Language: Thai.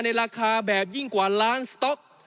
ราคาแบบยิ่งกว่าล้านสต๊อก